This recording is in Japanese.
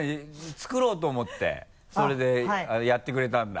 作ろうと思ってそれでやってくれたんだ。